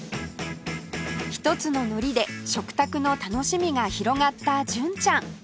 一つの海苔で食卓の楽しみが広がった純ちゃん